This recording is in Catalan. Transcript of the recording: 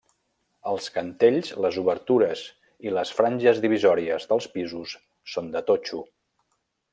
Els cantells, les obertures i les franges divisòries dels pisos són de totxo.